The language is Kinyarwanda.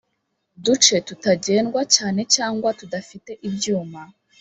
duce tutagendwa cyane cyangwa tudafite ibyuma